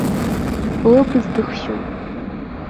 Лыбз дыхшьуп.